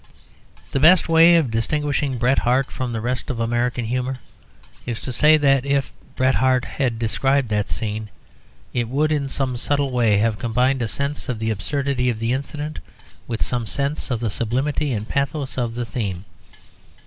The best way of distinguishing Bret Harte from the rest of American humour is to say that if Bret Harte had described that scene, it would in some subtle way have combined a sense of the absurdity of the incident with some sense of the sublimity and pathos of the theme.